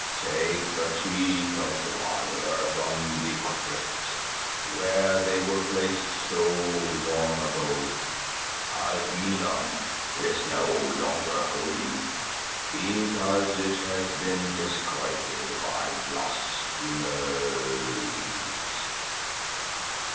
'Take the Teeth of Gwahlur from the crypt where they were placed so long ago. Alkmeenon is no longer holy, because it has been desecrated by blasphemers.